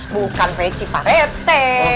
bukan peci pak rete